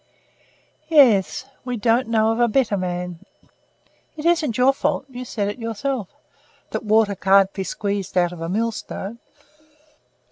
"Yes. We don't know of a better man. It isn't your fault, you said it yourself, that water couldn't be squeezed out of a millstone."